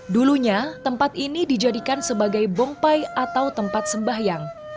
dulunya tempat ini dijadikan sebagai bongpai atau tempat sembahyang